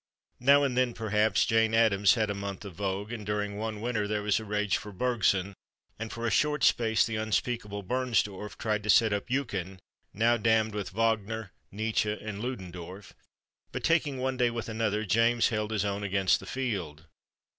Now and then, perhaps, Jane Addams had a month of vogue, and during one winter there was a rage for Bergson, and for a short space the unspeakable Bernstorff tried to set up Eucken (now damned with Wagner, Nietzsche and Ludendorff), but taking one day with another James held his own against the field.